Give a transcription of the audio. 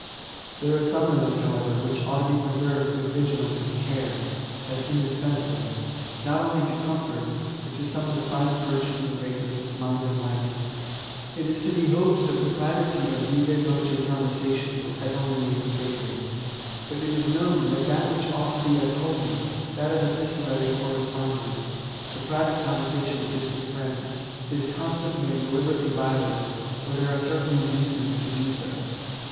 There are some limits, however^ which ought to be preserved with vigil ance and care, as indispensable, not only to com* fort, but to some of the finest virtues and graces of mind and life* It is to be hoped that the privacy of vivd voce conversation will ever remain sacred: but it is known that that which ought to be as holy, that of epistolary corre8pondence, (the private con^ versation of distant Mends,) is constantly and deli< berately violated, where there are certain induce ments to do so.